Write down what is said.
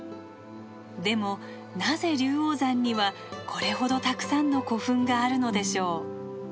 でもなぜ龍王山にはこれほどたくさんの古墳があるのでしょう。